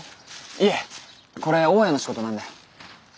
いえこれ大家の仕事なんで。